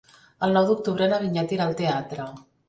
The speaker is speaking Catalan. El nou d'octubre na Vinyet irà al teatre.